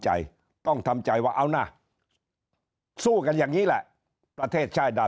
ใจต้องทำใจว่าเอานะสู้กันอย่างนี้แหละประเทศชาติได้